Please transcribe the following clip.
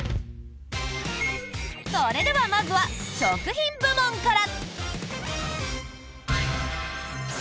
それではまずは食品部門から！